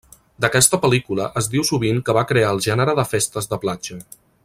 D'aquesta pel·lícula es diu sovint que va crear el gènere de festes de platja.